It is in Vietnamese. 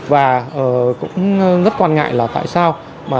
và cũng rất quan ngại là tại sao